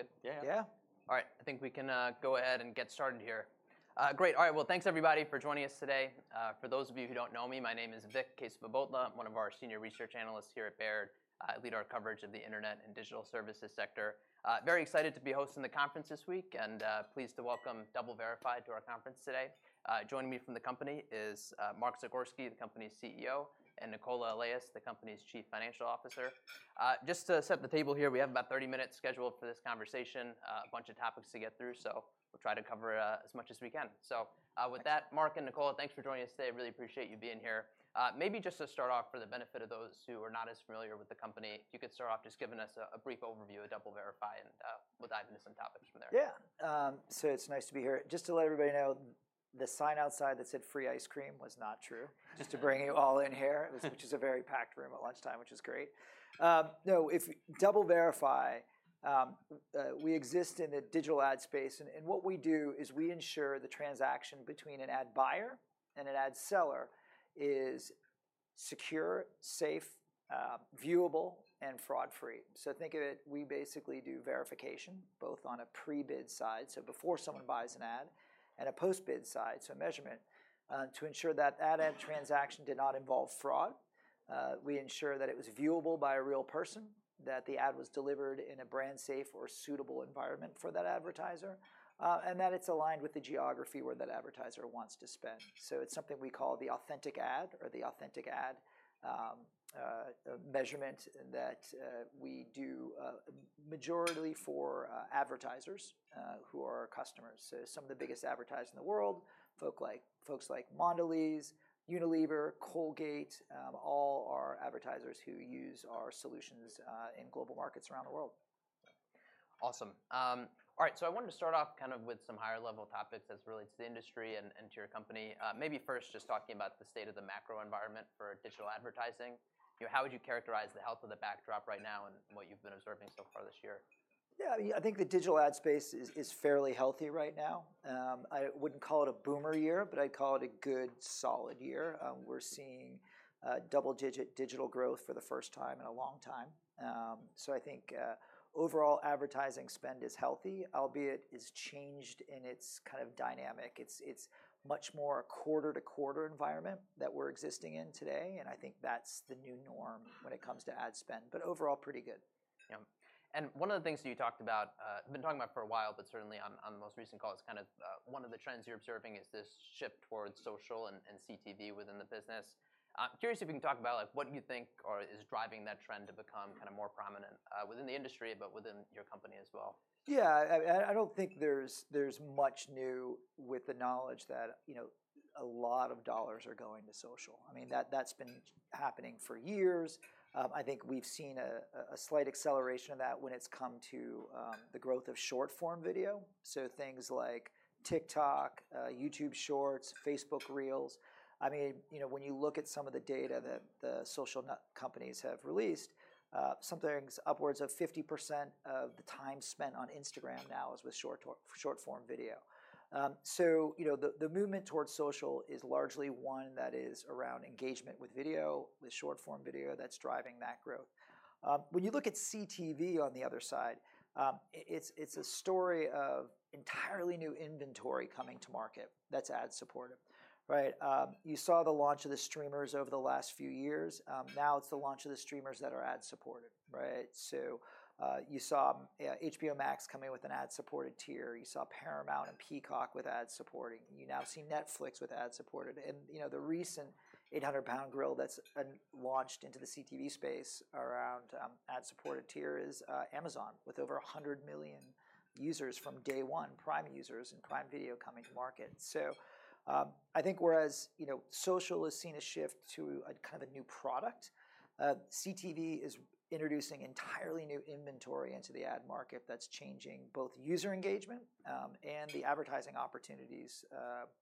You guys good? Yeah. Yeah. All right, I think we can go ahead and get started here. Great. All right, well, thanks everybody for joining us today. For those of you who don't know me, my name is Vikram Kesavabhotla. I'm one of our senior research analysts here at Baird. I lead our coverage of the internet and digital services sector. Very excited to be hosting the conference this week, and pleased to welcome DoubleVerify to our conference today. Joining me from the company is Mark Zagorski, the company's CEO, and Nicola Allais, the company's Chief Financial Officer. Just to set the table here, we have about 30 minutes scheduled for this conversation, a bunch of topics to get through, so we'll try to cover as much as we can. With that, Mark and Nicola, thanks for joining us today. Really appreciate you being here. Maybe just to start off, for the benefit of those who are not as familiar with the company, if you could start off just giving us a, a brief overview of DoubleVerify, and we'll dive into some topics from there. Yeah, so it's nice to be here. Just to let everybody know, the sign outside that said, "Free ice cream," was not true. Just to bring you all in here, which is a very packed room at lunchtime, which is great. No, if DoubleVerify, we exist in the digital ad space, and, and what we do is we ensure the transaction between an ad buyer and an ad seller is secure, safe, viewable, and fraud-free. So think of it, we basically do verification both on a pre-bid side, so before someone buys an ad, and a post-bid side, so measurement, to ensure that that ad transaction did not involve fraud. We ensure that it was viewable by a real person, that the ad was delivered in a brand safe or suitable environment for that advertiser, and that it's aligned with the geography where that advertiser wants to spend. So it's something we call the Authentic Ad or the authentic ad, a measurement that we do majority for advertisers who are our customers. So some of the biggest advertisers in the world, folks like Mondelēz, Unilever, Colgate, all are advertisers who use our solutions in global markets around the world. Awesome. All right, so I wanted to start off kind of with some higher level topics as it relates to the industry and to your company. Maybe first just talking about the state of the macro environment for digital advertising. You know, how would you characterize the health of the backdrop right now and what you've been observing so far this year? Yeah, I think the digital ad space is fairly healthy right now. I wouldn't call it a boomer year, but I'd call it a good, solid year. We're seeing double-digit digital growth for the first time in a long time. So I think overall advertising spend is healthy, albeit it's changed, and it's kind of dynamic. It's much more a quarter-to-quarter environment that we're existing in today, and I think that's the new norm when it comes to ad spend, but overall, pretty good. Yeah. And one of the things you talked about, been talking about for a while, but certainly on, on the most recent call, it's kind of, one of the trends you're observing is this shift towards social and, and CTV within the business. I'm curious if you can talk about like what you think or is driving that trend to become kind of more prominent, within the industry, but within your company as well. Yeah, I don't think there's much new with the knowledge that, you know, a lot of dollars are going to social. I mean, that's been happening for years. I think we've seen a slight acceleration of that when it's come to the growth of short-form video, so things like TikTok, YouTube Shorts, Facebook Reels. I mean, you know, when you look at some of the data that the social media companies have released, something's upwards of 50% of the time spent on Instagram now is with short-form video. So, you know, the movement towards social is largely one that is around engagement with video, with short-form video that's driving that growth. When you look at CTV on the other side, it, it's a story of entirely new inventory coming to market that's ad-supported, right? You saw the launch of the streamers over the last few years. Now it's the launch of the streamers that are ad-supported, right? So, you saw HBO Max coming in with an ad-supported tier. You saw Paramount and Peacock with ad-supported. You now see Netflix with ad-supported, and, you know, the recent 800-pound gorilla that's launched into the CTV space around ad-supported tier is Amazon, with over 100 million users from day one, Prime users and Prime Video coming to market. So, I think whereas, you know, social has seen a shift to a kind of a new product, CTV is introducing entirely new inventory into the ad market that's changing both user engagement, and the advertising opportunities,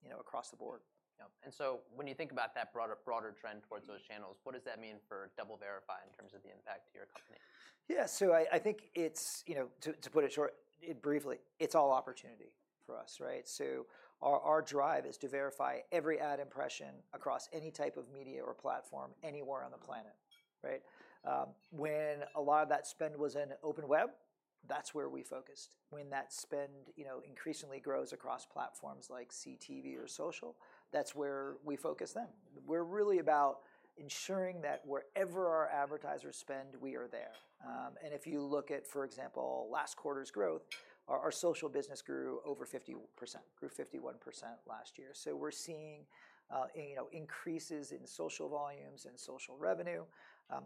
you know, across the board. Yeah. And so when you think about that broader, broader trend towards those channels. What does that mean for DoubleVerify in terms of the impact to your company? Yeah, so I think it's, you know, to put it short, briefly, it's all opportunity for us, right? So our drive is to verify every ad impression across any type of media or platform anywhere on the planet, right? When a lot of that spend was in Open Web, that's where we focused. When that spend, you know, increasingly grows across platforms like CTV or social, that's where we focus then. We're really about ensuring that wherever our advertisers spend, we are there. And if you look at, for example, last quarter's growth, our social business grew over 50%, grew 51% last year. So we're seeing, you know, increases in social volumes and social revenue.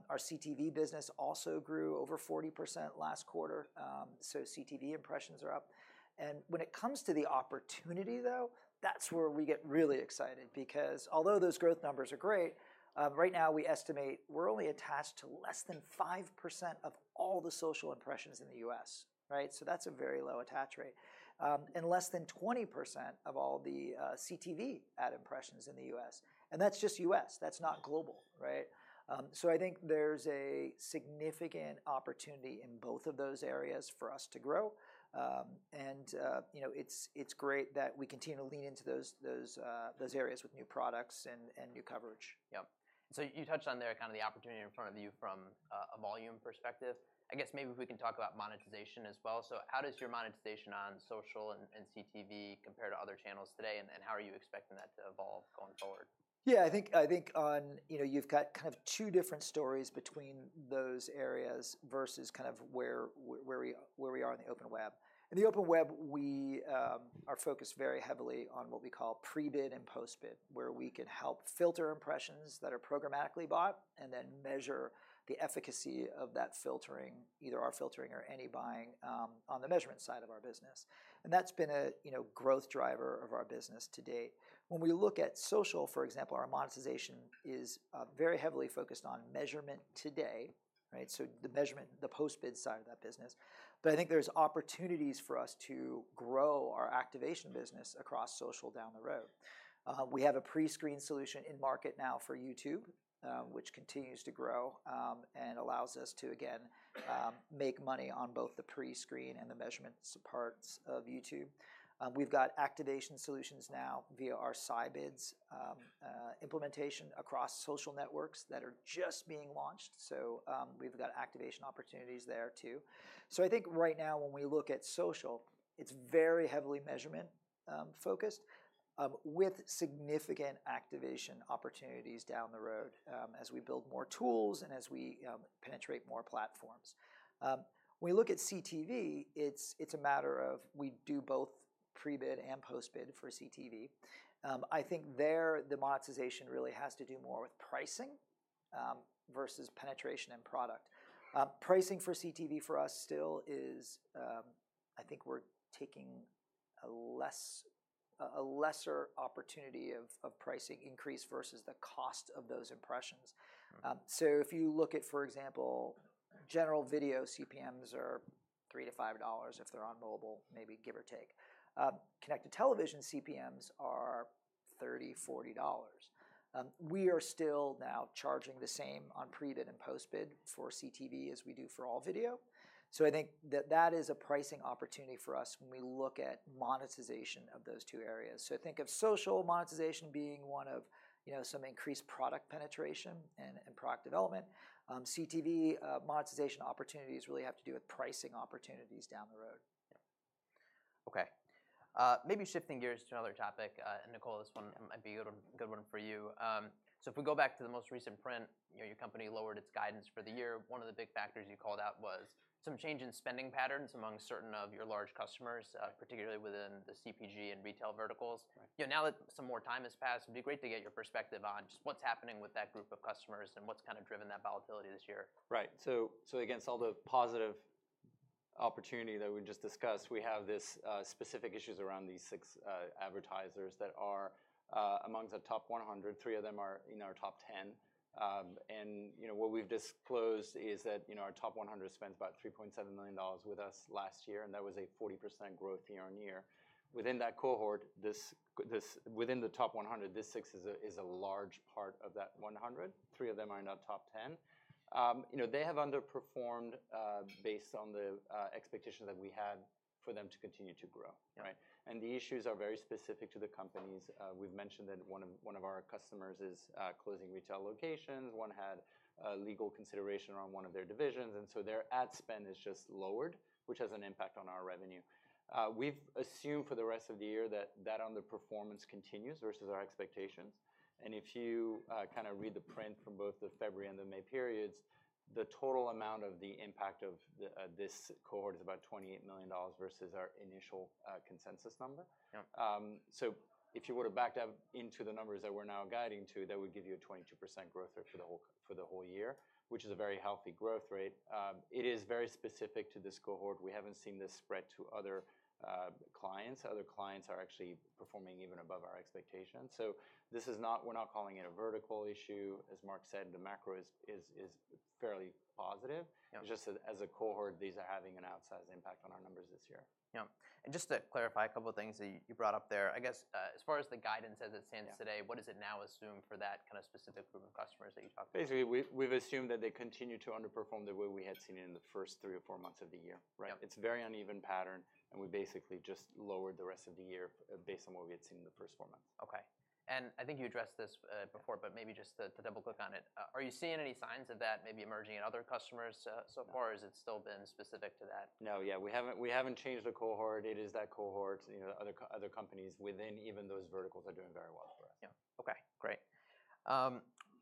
Our CTV business also grew over 40% last quarter. So CTV impressions are up. And when it comes to the opportunity, though, that's where we get really excited because although those growth numbers are great, right now, we estimate we're only attached to less than 5% of all the social impressions in the U.S., right? So that's a very low attach rate. And less than 20% of all the CTV ad impressions in the U.S., and that's just U.S., that's not global, right? So I think there's a significant opportunity in both of those areas for us to grow. You know, it's great that we continue to lean into those areas with new products and new coverage. Yeah. So you touched on there kind of the opportunity in front of you from a volume perspective. I guess maybe if we can talk about monetization as well. So how does your monetization on social and CTV compare to other channels today, and how are you expecting that to evolve going forward? Yeah, I think, I think on, you know, you've got kind of two different stories between those areas versus kind of where we are in the Open Web. In the Open Web, we are focused very heavily on what we call pre-bid and post-bid, where we can help filter impressions that are programmatically bought, and then measure the efficacy of that filtering, either our filtering or any buying on the measurement side of our business. And that's been a, you know, growth driver of our business to date. When we look at Social, for example, our monetization is very heavily focused on measurement today, right? So the measurement, the post-bid side of that business. But I think there's opportunities for us to grow our activation business across Social down the road. We have a pre-bid solution in market now for YouTube, which continues to grow, and allows us to again make money on both the pre-bid and the measurement parts of YouTube. We've got activation solutions now via our Scibids implementation across social networks that are just being launched, so we've got activation opportunities there, too. So I think right now when we look at social, it's very heavily measurement focused, with significant activation opportunities down the road, as we build more tools and as we penetrate more platforms. When we look at CTV, it's a matter of we do both pre-bid and post-bid for CTV. I think there, the monetization really has to do more with pricing versus penetration and product. Pricing for CTV for us still is, I think we're taking a lesser opportunity of pricing increase versus the cost of those impressions. So if you look at, for example, general video, CPMs are $3-$5 if they're on mobile, maybe give or take. Connected television CPMs are $30-$40. We are still now charging the same on pre-bid and post-bid for CTV as we do for all video. So I think that that is a pricing opportunity for us when we look at monetization of those two areas. So think of social monetization being one of, you know, some increased product penetration and, and product development. CTV monetization opportunities really have to do with pricing opportunities down the road. Yeah. Okay. Maybe shifting gears to another topic, and Nicola, this one might be a good, good one for you. So if we go back to the most recent print, you know, your company lowered its guidance for the year. One of the big factors you called out was some change in spending patterns among certain of your large customers, particularly within the CPG and retail verticals. Right. You know, now that some more time has passed, it'd be great to get your perspective on just what's happening with that group of customers and what's kind of driven that volatility this year. Right. So, against all the positive opportunity that we just discussed, we have this specific issues around these six advertisers that are among the top 100, three of them are in our top 10. And you know, what we've disclosed is that our top 100 spent about $3.7 million with us last year, and that was a 40% growth year-on-year. Within that cohort, this within the top 100, this six is a large part of that 100. Three of them are in our top 10. You know, they have underperformed based on the expectation that we had for them to continue to grow. Yeah. Right? And the issues are very specific to the companies. We've mentioned that one of, one of our customers is closing retail locations, one had a legal consideration around one of their divisions, and so their ad spend is just lowered, which has an impact on our revenue. We've assumed for the rest of the year that that underperformance continues versus our expectations, and if you kind of read the print from both the February and the May periods, the total amount of the impact of this cohort is about $28 million versus our initial consensus number. Yeah. So if you were to back down into the numbers that we're now guiding to, that would give you a 22% growth rate for the whole, for the whole year, which is a very healthy growth rate. It is very specific to this cohort. We haven't seen this spread to other clients. Other clients are actually performing even above our expectations. So this is not. We're not calling it a vertical issue. As Mark said, the macro is fairly positive. Yeah. Just as a cohort, these are having an outsized impact on our numbers this year. Yeah. Just to clarify a couple of things that you brought up there. I guess, as far as the guidance as it stands today. Yeah What is it now assumed for that kind of specific group of customers that you talked about? Basically, we've assumed that they continue to underperform the way we had seen in the first three or four months of the year, right? Yeah. It's a very uneven pattern, and we basically just lowered the rest of the year based on what we had seen in the first four months. Okay. I think you addressed this before, but maybe just to double click on it. Are you seeing any signs of that maybe emerging in other customers so far? No or has it still been specific to that? No, yeah, we haven't changed the cohort. It is that cohort. You know, other companies within even those verticals are doing very well for us. Yeah. Okay, great.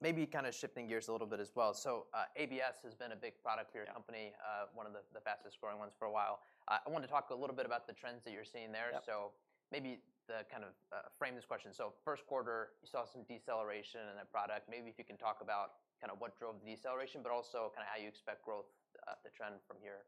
Maybe kind of shifting gears a little bit as well. So, ABS has been a big product for your company- Yeah one of the fastest growing ones for a while. I want to talk a little bit about the trends that you're seeing there. Yeah. So maybe the kind of, frame this question. So first quarter, you saw some deceleration in the product. Maybe if you can talk about kind of what drove the deceleration, but also kind of how you expect growth, the trend from here?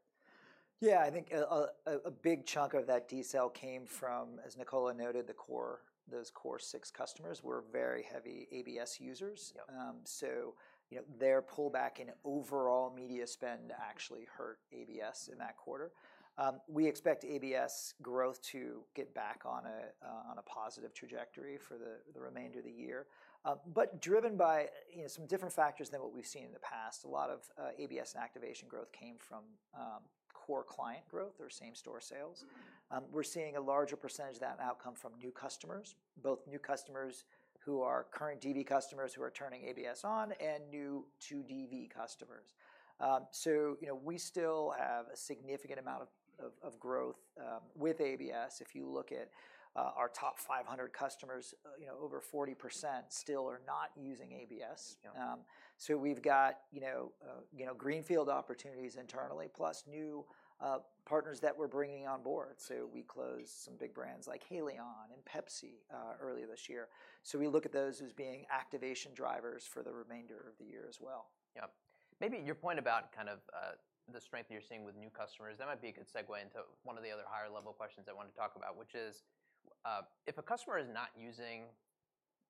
Yeah, I think a big chunk of that decel came from, as Nicola noted, the core. Those core six customers were very heavy ABS users. Yep. So, you know, their pullback in overall media spend actually hurt ABS in that quarter. We expect ABS growth to get back on a positive trajectory for the remainder of the year. But driven by, you know, some different factors than what we've seen in the past. A lot of ABS activation growth came from core client growth or same-store sales. We're seeing a larger percentage of that now come from new customers, both new customers who are current DV customers who are turning ABS on, and new to DV customers. So, you know, we still have a significant amount of growth with ABS. If you look at our top 500 customers, you know, over 40% still are not using ABS. Yep. So we've got, you know, you know, greenfield opportunities internally, plus new partners that we're bringing on board. So we closed some big brands like Haleon and Pepsi, earlier this year. So we look at those as being activation drivers for the remainder of the year as well. Yep. Maybe your point about kind of, the strength you're seeing with new customers, that might be a good segue into one of the other higher level questions I wanted to talk about, which is, if a customer is not using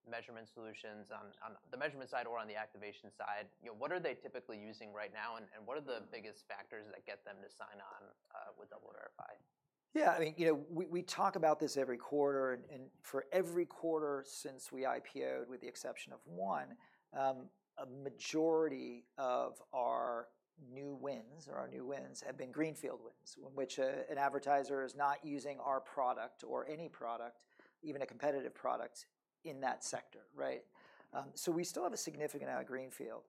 measurement solutions on the measurement side or on the activation side, you know, what are they typically using right now, and what are the biggest factors that get them to sign on, with DoubleVerify? Yeah, I mean, you know, we talk about this every quarter, and for every quarter since we IPO'd, with the exception of one, a majority of our new wins have been greenfield wins, which an advertiser is not using our product or any product, even a competitive product, in that sector, right? So we still have a significant amount of greenfield.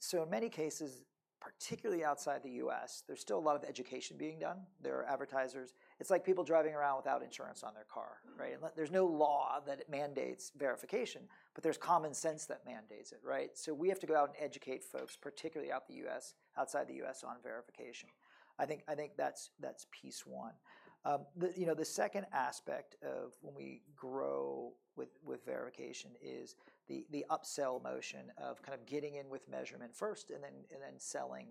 So in many cases, particularly outside the U.S., there's still a lot of education being done. There are advertisers, it's like people driving around without insurance on their car, right? Mm. There's no law that mandates verification, but there's common sense that mandates it, right? So we have to go out and educate folks, particularly out in the U.S., outside the U.S., on verification. I think that's piece one. You know, the second aspect of when we grow with verification is the upsell motion of kind of getting in with measurement first, and then selling,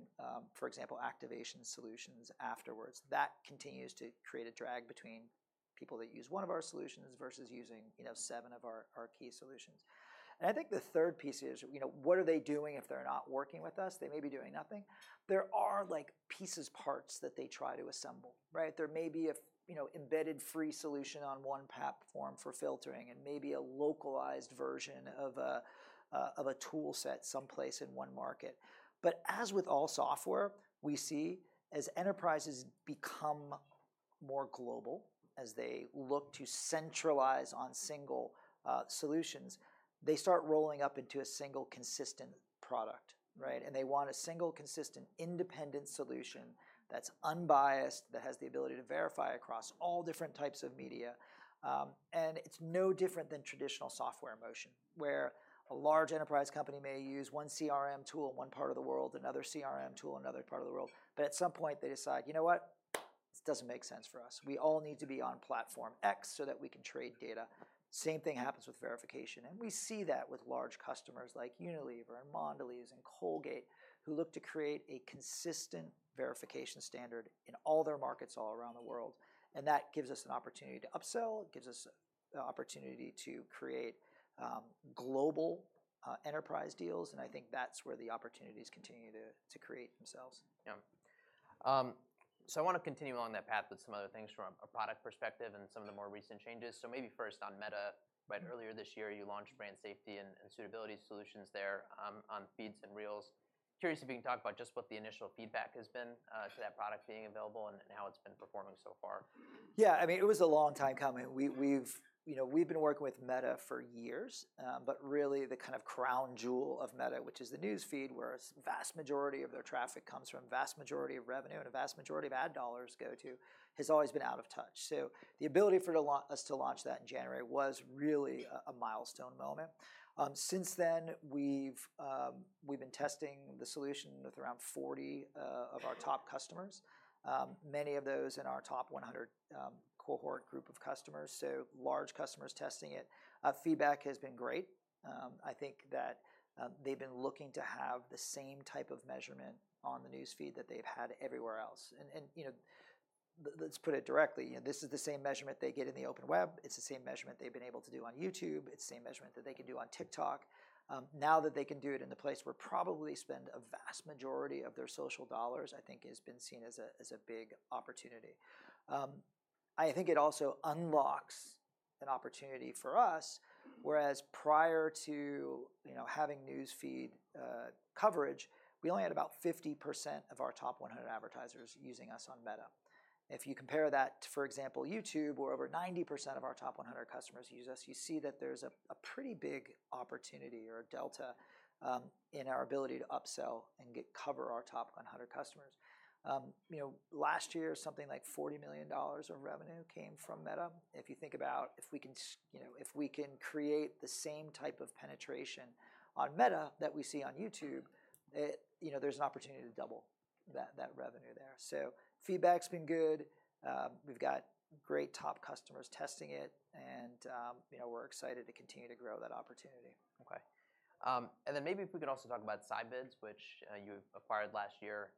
for example, activation solutions afterwards. That continues to create a drag between people that use one of our solutions versus using, you know, seven of our key solutions. And I think the third piece is, you know, what are they doing if they're not working with us? They may be doing nothing. There are, like, pieces, parts that they try to assemble, right? There may be a, you know, embedded free solution on one platform for filtering and maybe a localized version of a tool set someplace in one market. But as with all software, we see as enterprises become more global, as they look to centralize on single solutions, they start rolling up into a single, consistent product, right? And they want a single, consistent, independent solution that's unbiased, that has the ability to verify across all different types of media. And it's no different than traditional software motion, where a large enterprise company may use one CRM tool in one part of the world, another CRM tool in another part of the world. But at some point, they decide, "You know what? This doesn't make sense for us. We all need to be on platform X so that we can trade data." Same thing happens with verification, and we see that with large customers like Unilever and Mondelez and Colgate, who look to create a consistent verification standard in all their markets all around the world, and that gives us an opportunity to upsell. It gives us the opportunity to create global enterprise deals, and I think that's where the opportunities continue to create themselves. Yep. So I want to continue along that path with some other things from a product perspective and some of the more recent changes. So maybe first on Meta, right? Earlier this year, you launched brand safety and, and suitability solutions there, on Feeds and Reels. Curious if you can talk about just what the initial feedback has been, to that product being available and, and how it's been performing so far. Yeah, I mean, it was a long time coming. We've been working with Meta for years. But really, the kind of crown jewel of Meta, which is the News Feed, where a vast majority of their traffic comes from, vast majority of revenue, and a vast majority of ad dollars go to, has always been out of touch. So the ability for us to launch that in January was really a milestone moment. Since then, we've been testing the solution with around 40 of our top customers, many of those in our top 100 cohort group of customers, so large customers testing it. Feedback has been great. I think that they've been looking to have the same type of measurement on the News Feed that they've had everywhere else. Let's put it directly, you know, this is the same measurement they get in the open web. It's the same measurement they've been able to do on YouTube. It's the same measurement that they can do on TikTok. Now that they can do it in the place where probably spend a vast majority of their social dollars, I think has been seen as a big opportunity. I think it also unlocks an opportunity for us, whereas prior to, you know, having news feed coverage, we only had about 50% of our top 100 advertisers using us on Meta. If you compare that to, for example, YouTube, where over 90% of our top 100 customers use us, you see that there's a pretty big opportunity or a delta in our ability to upsell and get cover our top 100 customers. You know, last year, something like $40 million of revenue came from Meta. If you think about, you know, if we can create the same type of penetration on Meta that we see on YouTube, you know, there's an opportunity to double that revenue there. So feedback's been good. We've got great top customers testing it, and you know, we're excited to continue to grow that opportunity. Okay, and then maybe if we could also talk about Scibids, which you acquired last year.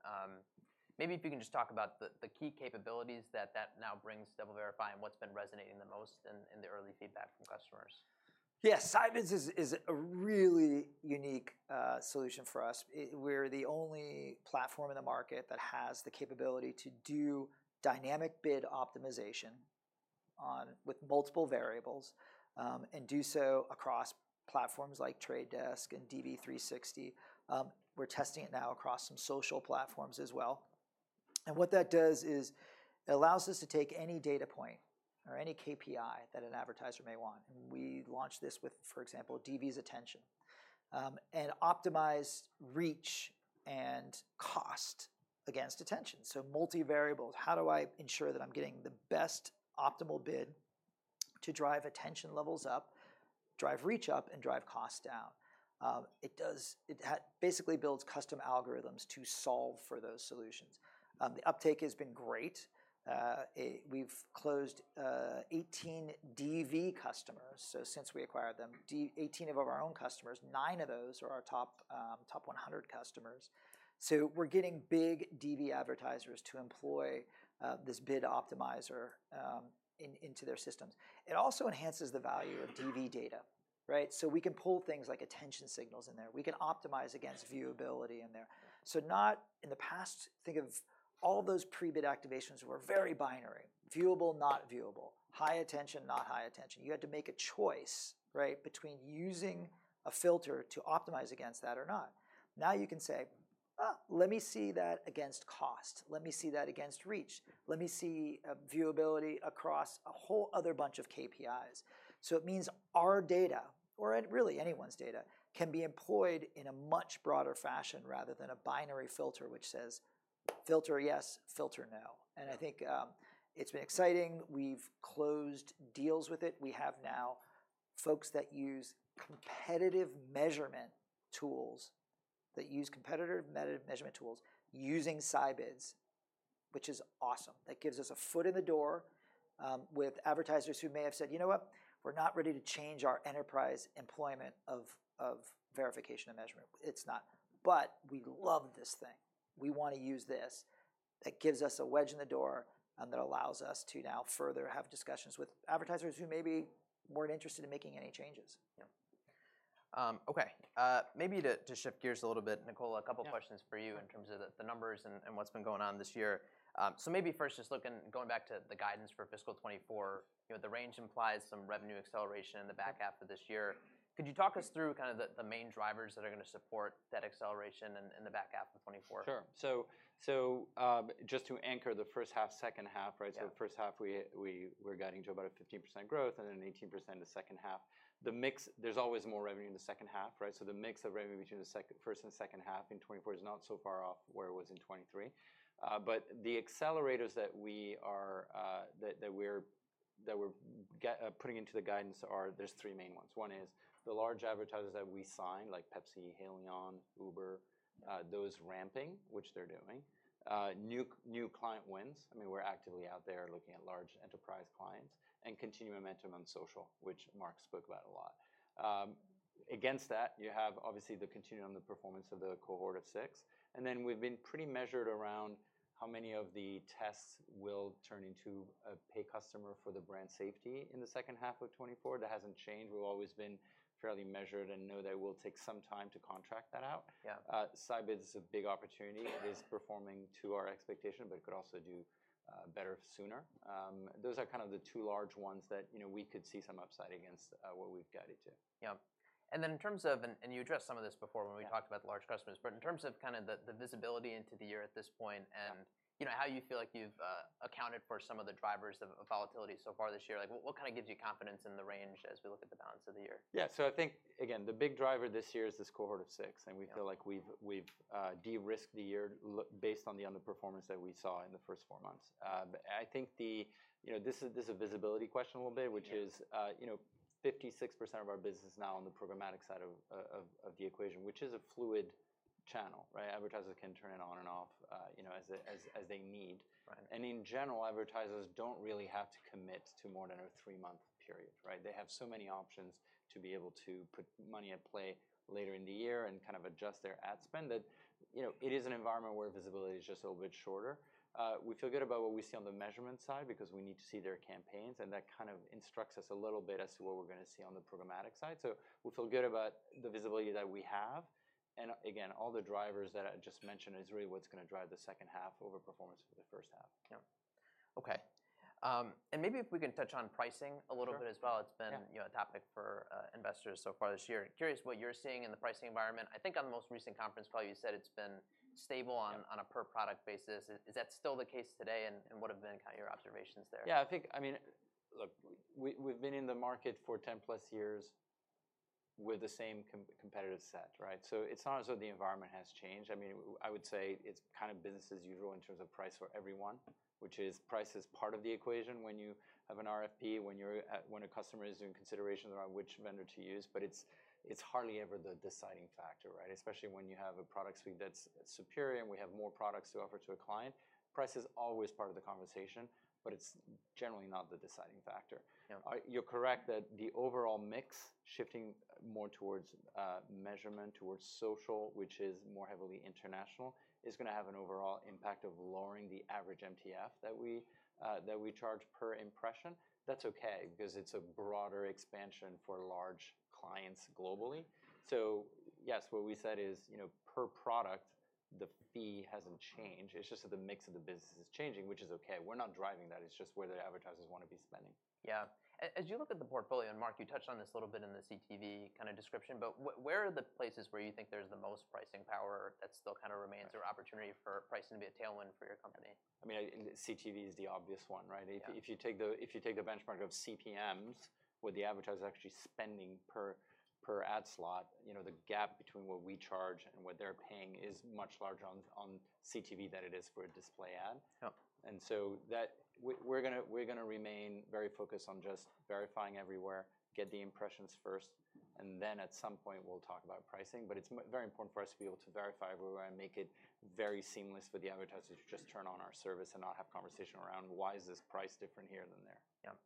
Maybe if you can just talk about the key capabilities that that now brings to DoubleVerify and what's been resonating the most in the early feedback from customers. Yes, Scibids is a really unique solution for us. We're the only platform in the market that has the capability to do dynamic bid optimization on with multiple variables, and do so across platforms like The Trade Desk and DV360. We're testing it now across some social platforms as well, and what that does is it allows us to take any data point or any KPI that an advertiser may want, and we launched this with, for example, DV's attention, and optimize reach and cost against attention. So multivariable. How do I ensure that I'm getting the best optimal bid to drive attention levels up, drive reach up, and drive costs down? It basically builds custom algorithms to solve for those solutions. The uptake has been great. We've closed 18 DV customers, so since we acquired them, 18 of our own customers, nine of those are our top 100 customers. So we're getting big DV advertisers to employ this bid optimizer into their systems. It also enhances the value of DV data, right? So we can pull things like attention signals in there. We can optimize against viewability in there. So not... In the past, think of all those pre-bid activations were very binary, viewable, not viewable, high attention, not high attention. You had to make a choice, right? Between using a filter to optimize against that or not. Now, you can say, "Ah, let me see that against cost. Let me see that against reach. Let me see, viewability across a whole other bunch of KPIs." So it means our data, or really anyone's data, can be employed in a much broader fashion, rather than a binary filter, which says, "Filter yes, filter no." And I think, it's been exciting. We've closed deals with it. We have now folks that use competitive measurement tools, that use competitive measurement tools using Scibids, which is awesome. That gives us a foot in the door, with advertisers who may have said, "You know what? We're not ready to change our enterprise employment of verification and measurement. It's not. But we love this thing. We want to use this." That gives us a wedge in the door, and that allows us to now further have discussions with advertisers who maybe weren't interested in making any changes. Yeah. Okay, maybe to shift gears a little bit, Nicola Yeah. A couple of questions for you in terms of the numbers and what's been going on this year. So maybe first, just looking, going back to the guidance for fiscal 2024, you know, the range implies some revenue acceleration in the back half of this year. Could you talk us through kind of the main drivers that are gonna support that acceleration in the back half of 2024? Sure. So, just to anchor the first half, second half, right? Yeah. So the first half, we're guiding to about 15% growth and then 18% the second half. The mix, there's always more revenue in the second half, right? So the mix of revenue between the second, first and second half in 2024 is not so far off where it was in 2023. But the accelerators that we're putting into the guidance are, there's three main ones. One is the large advertisers that we signed, like Pepsi, Haleon, Uber, those ramping, which they're doing. New client wins, I mean, we're actively out there looking at large enterprise clients. And continued momentum on social, which Mark spoke about a lot. Against that, you have obviously the continuum, the performance of the cohort of 6, and then we've been pretty measured around how many of the tests will turn into a paid customer for the brand safety in the second half of 2024. That hasn't changed. We've always been fairly measured and know that it will take some time to contract that out. Yeah. Scibids is a big opportunity, is performing to our expectation, but it could also do better sooner. Those are kind of the two large ones that, you know, we could see some upside against what we've guided to. Yeah, and then in terms of, you addressed some of this before Yeah When we talked about large customers, but in terms of kind of the visibility into the year at this point and Yeah You know, how you feel like you've accounted for some of the drivers of volatility so far this year. Like, what kind of gives you confidence in the range as we look at the balance of the year? Yeah. So I think, again, the big driver this year is this cohort of six, and we Yeah Feel like we've de-risked the year based on the underperformance that we saw in the first four months. But I think, you know, this is a visibility question a little bit Yeah Which is, you know, 56% of our business is now on the programmatic side of the equation, which is a fluid channel, right? Advertisers can turn it on and off, you know, as they need. Right. In general, advertisers don't really have to commit to more than a three-month period, right? They have so many options to be able to put money at play later in the year and kind of adjust their ad spend, that, you know, it is an environment where visibility is just a little bit shorter. We feel good about what we see on the measurement side because we need to see their campaigns, and that kind of instructs us a little bit as to what we're gonna see on the programmatic side. So we feel good about the visibility that we have, and again, all the drivers that I just mentioned is really what's gonna drive the second half overperformance for the first half. Yeah. Okay, and maybe if we can touch on pricing a little bit Sure As well. Yeah. It's been, you know, a topic for investors so far this year. Curious what you're seeing in the pricing environment. I think on the most recent conference call, you said it's been stable on Yeah On a per product basis. Is that still the case today, and what have been kind of your observations there? Yeah, I think, I mean, look, we, we've been in the market for 10+ years with the same competitive set, right? So it's not as though the environment has changed. I mean, I would say it's kind of business as usual in terms of price for everyone, which is price is part of the equation when you have an RFP, when a customer is doing considerations around which vendor to use, but it's, it's hardly ever the decider factor, right? Especially when you have a product suite that's superior, and we have more products to offer to a client. Price is always part of the conversation, but it's generally not the deciding factor. Yeah. You're correct that the overall mix, shifting more towards measurement, towards social, which is more heavily international, is gonna have an overall impact of lowering the average MTF that we, that we charge per impression. That's okay, because it's a broader expansion for large clients globally. So yes, what we said is, you know, per product, the fee hasn't changed. It's just that the mix of the business is changing, which is okay. We're not driving that. It's just where the advertisers wanna be spending. Yeah. As you look at the portfolio, and Mark, you touched on this a little bit in the CTV kind of description, but where are the places where you think there's the most pricing power that still kind of remains? Right Or opportunity for pricing to be a tailwind for your company? I mean, CTV is the obvious one, right? Yeah. If you take the benchmark of CPMs, where the advertiser is actually spending per ad slot, you know, the gap between what we charge and what they're paying is much larger on CTV than it is for a display ad. Yeah. And so that we're gonna remain very focused on just verifying everywhere, get the impressions first, and then at some point we'll talk about pricing. But it's very important for us to be able to verify everywhere and make it very seamless for the advertisers to just turn on our service and not have conversation around: Why is this price different here than there? Yeah.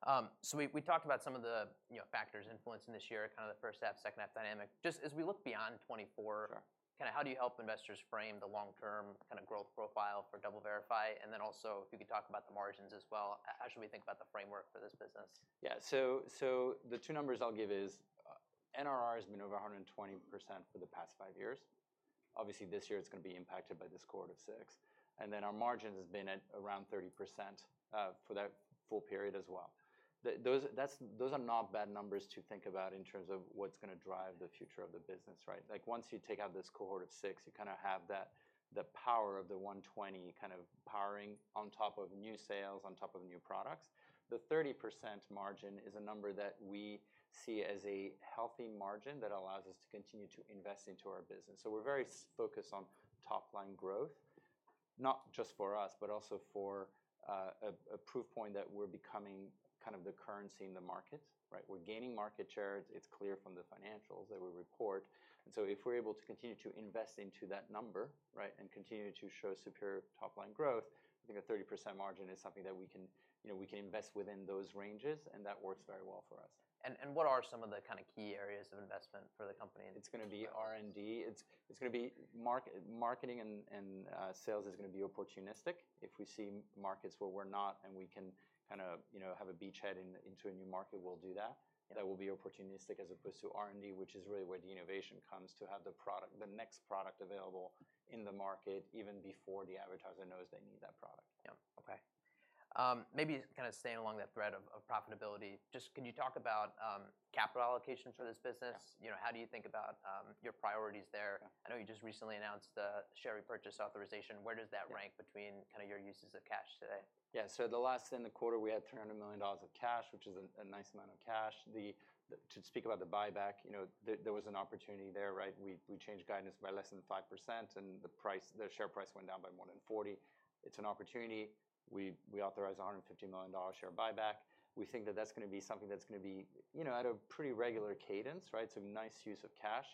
Okay. So we talked about some of the, you know, factors influencing this year, kind of the first half, second half dynamic. Just as we look beyond 2024 Sure Kinda how do you help investors frame the long-term kinda growth profile for DoubleVerify? And then also, if you could talk about the margins as well. How should we think about the framework for this business? Yeah. So, the two numbers I'll give is, NRR has been over 120% for the past five years. Obviously, this year it's gonna be impacted by this cohort of six, and then our margins has been at around 30% for that full period as well. Those are not bad numbers to think about in terms of what's gonna drive the future of the business, right? Like, once you take out this cohort of six, you kinda have that, the power of the 120 kind of powering on top of new sales, on top of new products. The 30% margin is a number that we see as a healthy margin that allows us to continue to invest into our business. So we're very focused on top line growth, not just for us, but also for a proof point that we're becoming kind of the currency in the market, right? We're gaining market share. It's clear from the financials that we report. And so if we're able to continue to invest into that number, right, and continue to show superior top line growth, I think a 30% margin is something that we can, you know, we can invest within those ranges, and that works very well for us. What are some of the kind of key areas of investment for the company? It's gonna be R&D. It's gonna be marketing and sales is gonna be opportunistic. If we see markets where we're not, and we can kinda, you know, have a beachhead into a new market, we'll do that. Yeah. That will be opportunistic, as opposed to R&D, which is really where the innovation comes to have the next product available in the market, even before the advertiser knows they need that product. Yeah. Okay. Maybe kinda staying along that thread of profitability, just can you talk about capital allocations for this business? Yeah. You know, how do you think about your priorities there? Yeah. I know you just recently announced the share repurchase authorization. Yeah. Where does that rank between kinda your uses of cash today? Yeah, so in the last quarter, we had $300 million of cash, which is a nice amount of cash. To speak about the buyback, you know, there was an opportunity there, right? We changed guidance by less than 5%, and the price, the share price went down by more than 40%. It's an opportunity. We authorized a $150 million share buyback. We think that that's gonna be something that's gonna be, you know, at a pretty regular cadence, right? So nice use of cash.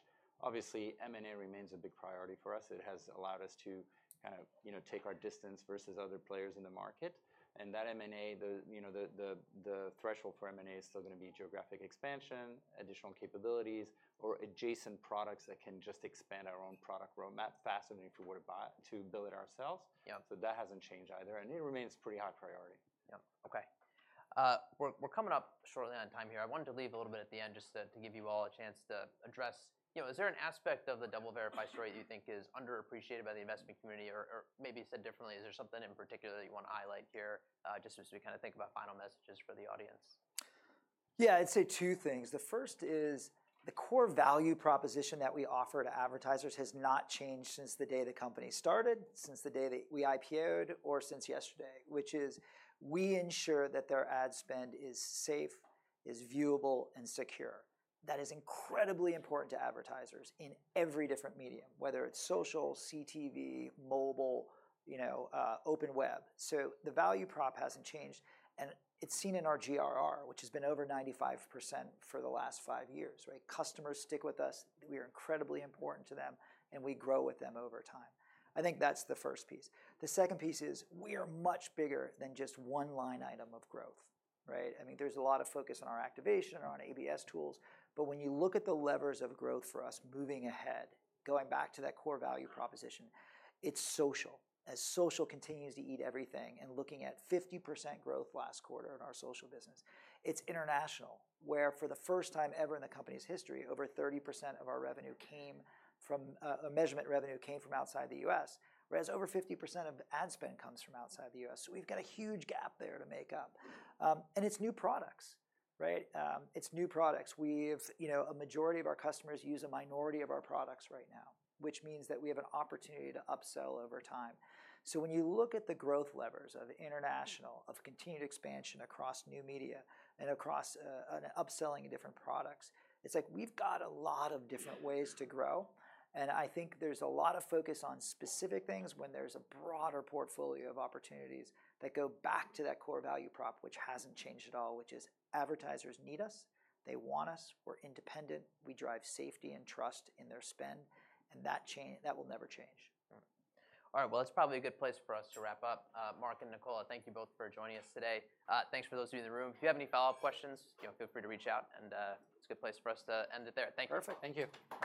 Obviously, M&A remains a big priority for us. It has allowed us to kind of, you know, take our distance versus other players in the market, and that M&A, you know, the threshold for M&A is still gonna be geographic expansion, additional capabilities, or adjacent products that can just expand our own product roadmap faster than if we were to buy, to build it ourselves. Yeah. That hasn't changed either, and it remains pretty high priority. Yeah. Okay. We're coming up shortly on time here. I wanted to leave a little bit at the end just to give you all a chance to address. You know, is there an aspect of the DoubleVerify story that you think is underappreciated by the investment community? Or maybe said differently, is there something in particular that you wanna highlight here, just as we kinda think about final messages for the audience? Yeah, I'd say two things. The first is, the core value proposition that we offer to advertisers has not changed since the day the company started, since the day that we IPO'd, or since yesterday, which is, we ensure that their ad spend is safe, is viewable, and secure. That is incredibly important to advertisers in every different medium, whether it's social, CTV, mobile, you know, open web. So the value prop hasn't changed, and it's seen in our GRR, which has been over 95% for the last five years, right? Customers stick with us. We are incredibly important to them, and we grow with them over time. I think that's the first piece. The second piece is, we are much bigger than just one line item of growth, right? I mean, there's a lot of focus on our activation, on our ABS tools, but when you look at the levers of growth for us moving ahead, going back to that core value proposition, it's social. As social continues to eat everything and looking at 50% growth last quarter in our social business. It's international, where for the first time ever in the company's history, over 30% of our revenue came from, measurement revenue came from outside the U.S., whereas over 50% of ad spend comes from outside the U.S. So we've got a huge gap there to make up. And it's new products, right? It's new products. We've, you know, a majority of our customers use a minority of our products right now, which means that we have an opportunity to upsell over time. So when you look at the growth levers of international, of continued expansion across new media, and across upselling of different products, it's like we've got a lot of different ways to grow, and I think there's a lot of focus on specific things when there's a broader portfolio of opportunities that go back to that core value prop, which hasn't changed at all, which is advertisers need us. They want us. We're independent. We drive safety and trust in their spend, and that will never change. All right, well, that's probably a good place for us to wrap up. Mark and Nicola, thank you both for joining us today. Thanks for those of you in the room. If you have any follow-up questions, you know, feel free to reach out, and it's a good place for us to end it there. Thank you. Perfect. Thank you.